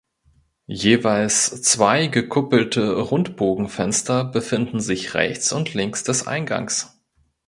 Jeweils zwei gekuppelte Rundbogenfenster befinden sich rechts und links des Eingangs.